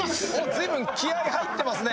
随分気合入ってますね。